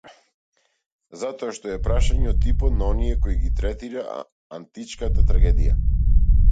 Затоа што е прашање од типот на оние кои ги третира античката трагедија.